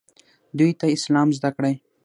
دوی ته اسلام زده کړئ